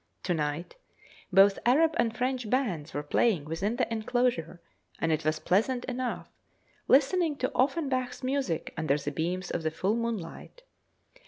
To night both Arab and French bands were playing within the enclosure, and it was pleasant enough listening to Offenbach's music under the beams of the full moonlight.